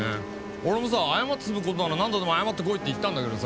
俺もさ謝って済む事なら何度でも謝って来いって言ったんだけどさ。